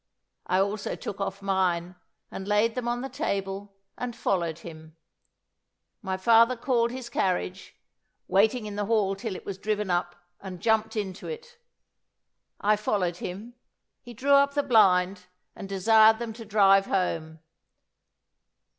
I also took off mine, and laid them on the table, and followed him. My father called his carriage, waiting in the hall till it was driven up, and jumped into it. I followed him; he drew up the blind, and desired them to drive home.